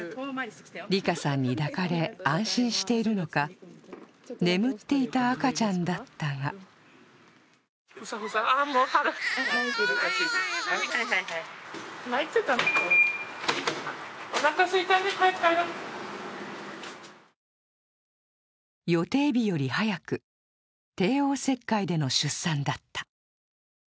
りかさんに抱かれ安心しているのか、眠っていた赤ちゃんだったが予定日より早く帝王切開での出産だった。